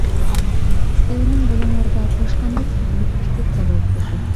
ئۆينىڭ بۇلۇڭلىرىدا توشقاندەك تۈگۈلۈپ ئۈچ-تۆت بالا ئولتۇرىدۇ.